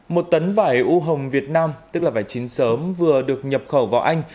một tấn vải u hồng việt nam tức là vải chín sớm vừa được nhập khẩu vào anh